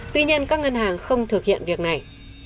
tuy nhiên các ngân hàng không thực hiện việc này